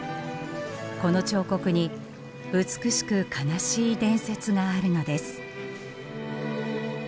この彫刻に美しく悲しい伝説があるのです。